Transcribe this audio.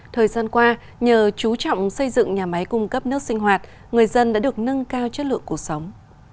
thời gian qua nhờ chú trọng xây dựng nhà máy cung cấp nước sinh hoạt người dân đã được nâng cao chất lượng cuộc sống